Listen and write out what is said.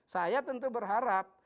saya tentu berharap